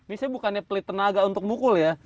ini saya bukannya pelit tenaga untuk mukul ya